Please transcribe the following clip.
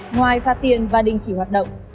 ngoài phạt tiền và đình chỉ hoạt động